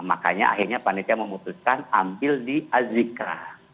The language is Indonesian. makanya akhirnya panitia memutuskan ambil di azikra